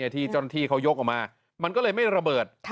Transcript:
ที่เจ้าหน้าที่เขายกออกมามันก็เลยไม่ระเบิด